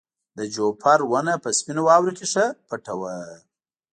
د جوپر ونه په سپینو واورو کې ښه پټه وه.